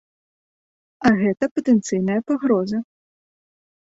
А гэта патэнцыйная пагроза.